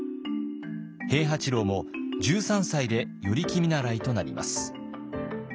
平八郎も１３歳で与力見習いとなります。